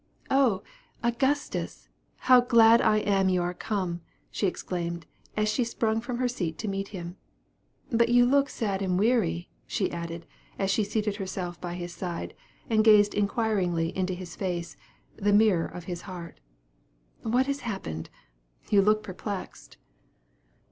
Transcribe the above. "Oh, Augustus, how glad I am you are come!" she exclaimed, as she sprung from her seat to meet him; "but you look sad and weary," she added, as she seated herself by his side, and gazed inquiringly into his face, the mirror of his heart. "What has happened? you look perplexed."